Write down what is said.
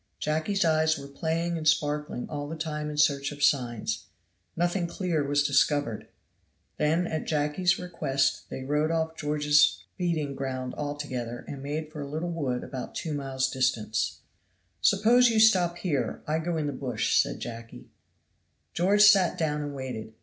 Jacky's eyes were playing and sparkling all the time in search of signs. Nothing clear was discovered. Then at Jacky's request they rode off George's feeding ground altogether and made for a little wood about two miles distant. "Suppose you stop here, I go in the bush," said Jacky. George sat down and waited.